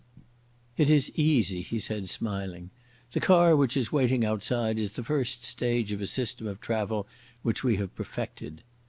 "It is easy," he said, smiling. "The car which is waiting outside is the first stage of a system of travel which we have perfected."